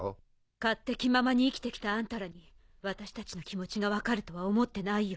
勝手気ままに生きて来たあんたらに私たちの気持ちが分かるとは思ってないよ。